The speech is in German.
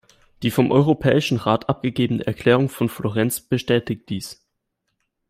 Die vom Europäischen Rat abgegebene Erklärung von Florenz bestätigt dies.